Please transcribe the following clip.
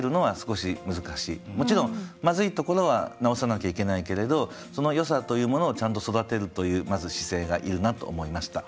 もちろんまずいところは直さなきゃいけないけれどそのよさというものをちゃんと育てるというまず姿勢がいるなと思いました。